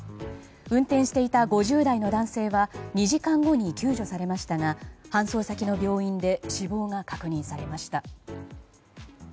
運転していた５０代の男性は２時間後に救助されましたが搬送先の病院で死亡が確認されました。